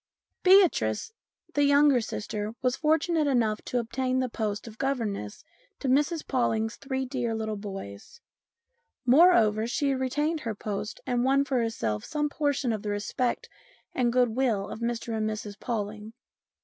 Beatrice, the younger sister, was fortunate enough to obtain the post of governess to Mrs Pawling's three dear little boys ; moreover, she retained her post, and won for herself some portion of the respect and goodwill of Mr and Mrs Pawling.